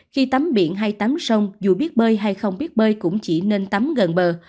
khi tắm biển hay tắm sông dù biết bơi hay không biết bơi cũng chỉ nên tắm gần bờ